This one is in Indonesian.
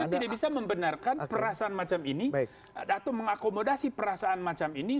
tidak bisa membenarkan perasaan macam ini atau mengakomodasi perasaan macam ini